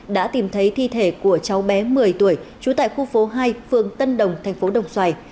đã tìm thấy thi thể của cháu bé một mươi tuổi trú tại khu phố hai phường tân đồng thành phố đồng xoài